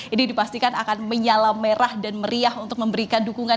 ini dipastikan akan menyala merah dan meriah untuk memberikan dukungan